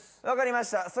分かりました。